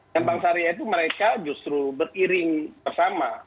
dan bank syariah itu mereka justru beriring bersama